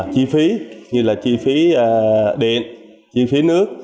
chi phí như là chi phí điện chi phí nước